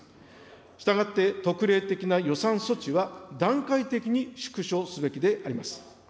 したがって、特例的な予算措置は段階的に縮小すべきであります。